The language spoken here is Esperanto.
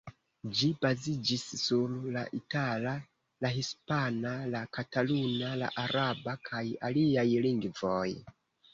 Ĝi baziĝis sur la itala, la hispana, la kataluna, la araba kaj aliaj lingvoj.